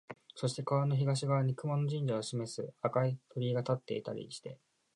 そして川の東側に熊野神社を示す赤い鳥居が立っていたりして、